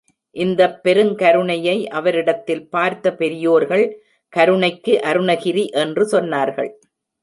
இந்தப் பெருங்கருணையை அவரிடத்தில் பார்த்த பெரியோர்கள், கருணைக்கு அருணகிரி என்று சொன்னார்கள்.